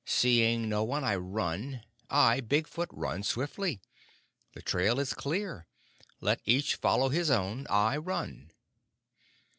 Seeing no one, I run. I, Big Foot, run swiftly. The trail is clear. Let each follow his own. I run!"